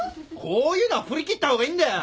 こういうのは振り切った方がいいんだよ。